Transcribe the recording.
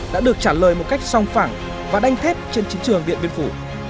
đã được trả lời một cách song phẳng và đanh thép trên chiến trường điện biên phủ